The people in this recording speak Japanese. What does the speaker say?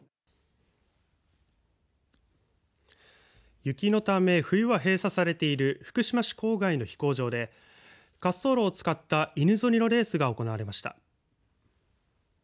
雪のため、冬は閉鎖されている福島市郊外の飛行場で滑走路を使った犬ぞりのレースが行われました。